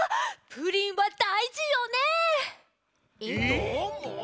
どーも？